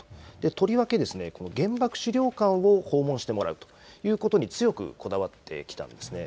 とりわけこの原爆資料館を訪問してもらうということに強くこだわってきたんですね。